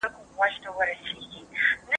که په سکرین کي رڼا کمه وي نو توري نه ښکاري.